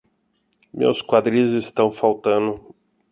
Meus quadris estão faltando.